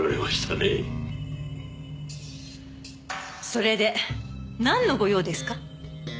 それでなんのご用ですか？